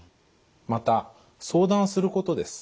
また「相談すること」です。